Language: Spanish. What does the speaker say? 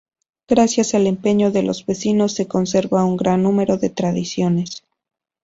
Gracias al empeño de los vecinos se conservan un gran número de tradiciones.